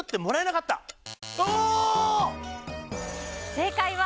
正解は。